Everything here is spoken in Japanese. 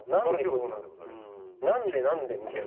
「何で何で」みたいな。